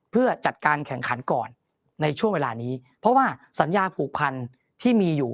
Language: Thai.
เพื่อจัดการแข่งขันก่อนในช่วงเวลานี้เพราะว่าสัญญาผูกพันที่มีอยู่